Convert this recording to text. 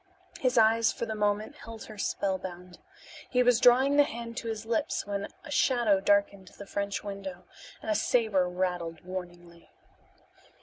His eyes for the moment held her spellbound. He was drawing the hand to his lips when a shadow darkened the French window, and a saber rattled warningly.